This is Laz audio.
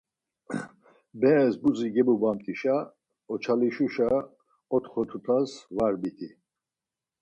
Berez budzi gebubamt̆işa oçalişuşa otxo tutaz var bidi.